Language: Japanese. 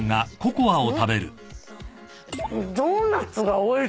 ドーナツがおいしい。